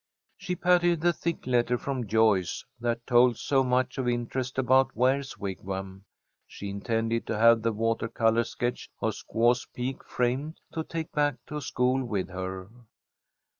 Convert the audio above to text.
She patted the thick letter from Joyce that told so much of interest about Ware's Wigwam. She intended to have the water colour sketch of Squaw's Peak framed to take back to school with her.